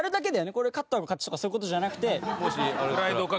これ勝った方が勝ちとかそういう事じゃなくて。